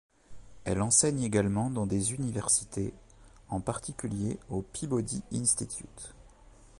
Elle enseigne également dans des universités, en particulier au Peabody Institute.